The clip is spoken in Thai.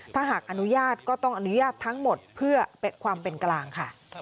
ถ้าหากอนุญาตก็ต้องอนุญาตทั้งหมดเพื่อความเป็นกลางค่ะ